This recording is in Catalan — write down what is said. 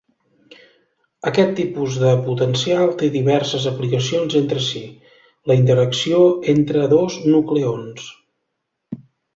Aquest tipus de potencial té diverses aplicacions entre si, la interacció entre dos nucleons.